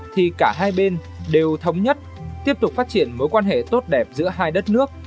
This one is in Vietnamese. thì cả hai bên đều thống nhất tiếp tục phát triển mối quan hệ tốt đẹp giữa hai đất nước